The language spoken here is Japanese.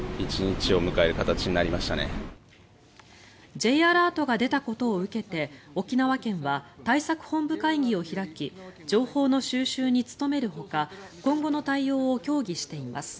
Ｊアラートが出たことを受けて沖縄県は対策本部会議を開き情報の収集に努めるほか今後の対応を協議しています。